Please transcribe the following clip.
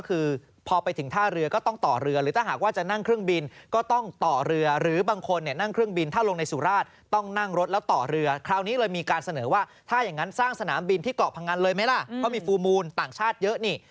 คือถ้าหากว่าจะนั่งรถทัวร์เนี่ยก็คือ